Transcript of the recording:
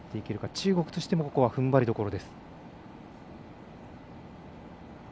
中国としてもここは、ふんばりどころ。